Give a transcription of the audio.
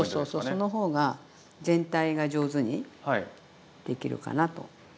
その方が全体が上手にできるかなと。